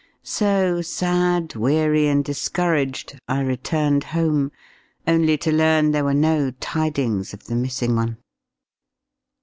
So sad, weary, and discouraged, I returned home, only to learn there were no tidings of the missing one.